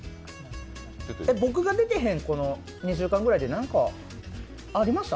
僕が出てへん、この２週ぐらいで何かありました？